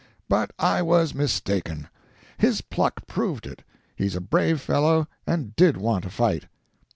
But I was mistaken. His pluck proved it. He's a brave fellow and did want to fight."